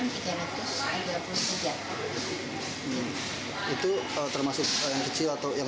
kita tanam tiga ratus tiga puluh tiga kita bersama sama menanamnya